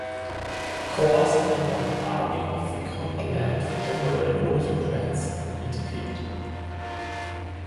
Corps in der neuen Army of the Cumberland von General Rosecrans integriert.